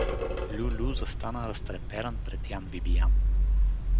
Лю-лю застана разтреперан пред Ян Бибиян.